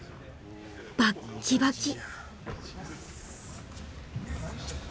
バッキバキ！